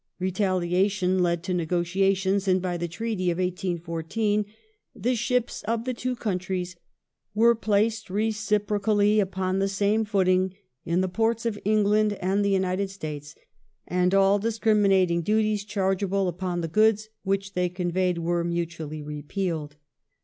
Retalia tion led to negotiation, and by the Treaty of 1814^ " the ships of the two countries were placed reciprocally upon the same footing in the ports of England and the United States, and all discriminat ing duties chargeable upon the goods which they conveyed were mutually repealed